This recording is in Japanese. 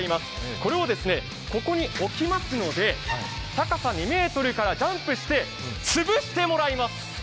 これをここに置きますので、高さ２ｍからジャンプして潰してもらいます。